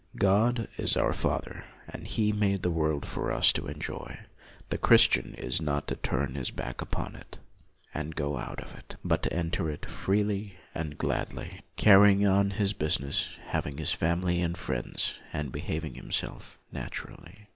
God is our father, and He made the world for us to enjoy. The Christian is not to turn his back upon it, and go out of it, but to enter into it freely and gladly, 2 6 LUTHER carrying on his business, having his family and friends, and behaving himself nat urally.